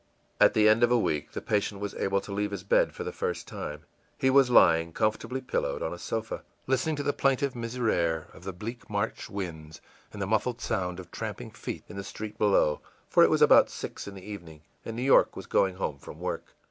At the end of a week the patient was able to leave his bed for the first time. He was lying, comfortably pillowed, on a sofa, listening to the plaintive Miserere of the bleak March winds and the muffled sound of tramping feet in the street below for it was about six in the evening, and New York was going home from work.